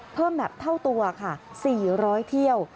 เพิ่มแบบเท่าตัวค่ะ๔๐๐เที่ยว